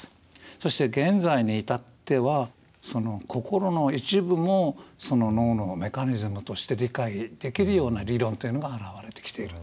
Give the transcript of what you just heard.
そして現在に至っては心の一部も脳のメカニズムとして理解できるような理論というのが現れてきている。